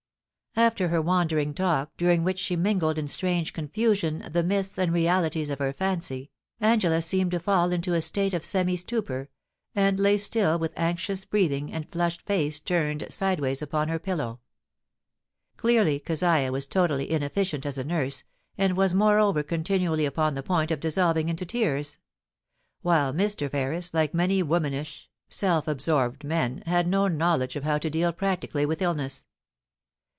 After her wandering talk, during which she mingled in strange confusion the myths and realities of her fancy, Angela seemed to fall into a state of semi stupor, and lay still with anxious breathing, and flushed face turned side ways upon her pillow. Clearly Keziah was totally inefficient as a nurse, and was moreover continually upon the pK>int of dissolving into tears ; while Mr. Ferris, like many womanish, self absorbed men, had no knowledge of how to deal practi cally with illness.